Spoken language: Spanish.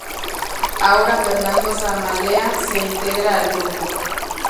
Ahora Fernando Samalea se integraba al grupo.